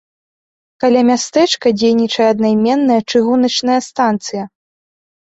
Каля мястэчка дзейнічае аднайменная чыгуначная станцыя.